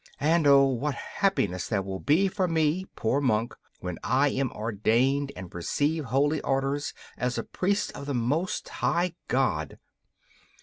And, oh, what happiness there will be for me, poor monk, when I am ordained and receive holy orders as a priest of the Most High God!